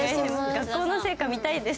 学校の成果見たいです。